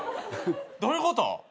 どういうこと？